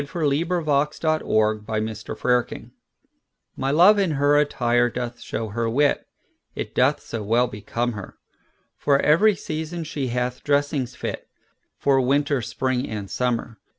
"My Love in her attire doth show her wit" 3MY Love in her attire doth show her wit, It doth so well become her:For every season she hath dressings fit, For Winter, Spring, and Summer.